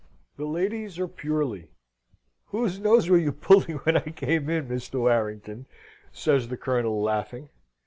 "The ladies are purely. Whose nose were you pulling when I came in, Mr. Warrington?" says the Colonel, laughing.